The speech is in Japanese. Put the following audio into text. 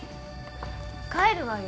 帰るわよ！